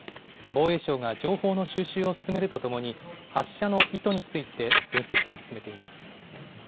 防衛省が情報の収集を進めるとともに発射の意図について分析を進めています。